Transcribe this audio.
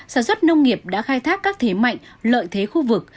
sản xuất nông nghiệp đã khai thác các thế mạnh lợi thế khu vực